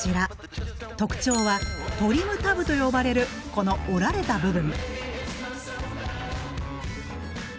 特徴はトリムタブと呼ばれるこの折られた部分。